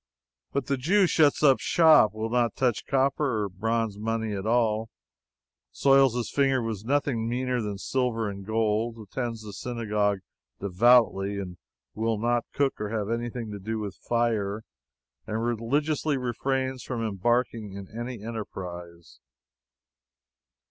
But the Jew shuts up shop; will not touch copper or bronze money at all; soils his fingers with nothing meaner than silver and gold; attends the synagogue devoutly; will not cook or have anything to do with fire; and religiously refrains from embarking in any enterprise.